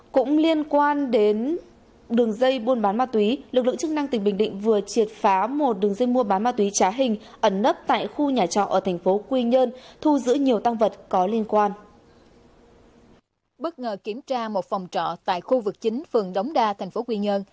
các bạn hãy đăng ký kênh để ủng hộ kênh của chúng mình nhé